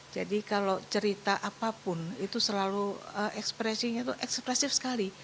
jadi kalau cerita apapun itu selalu ekspresinya ekspresif sekali